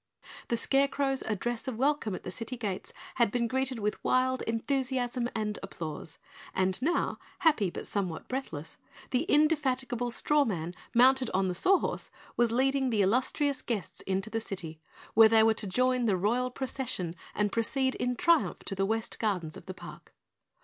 The Scarecrow's address of welcome at the City Gates had been greeted with wild enthusiasm and applause, and now, happy but somewhat breathless, the indefatigable Straw Man mounted on the Saw Horse was leading the illustrious Guests into the City, where they were to join the Royal Procession and proceed in triumph to the West Gardens of the park.